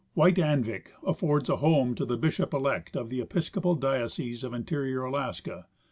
White Anvik affords a home to the bishop elect of the Episcopal diocese of interior Alaska.